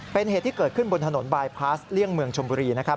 เป็นเหตุที่เกิดขึ้นบนถนนบายพาสเลี่ยงเมืองชมบุรีนะครับ